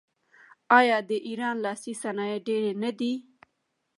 آیا د ایران لاسي صنایع ډیر نه دي؟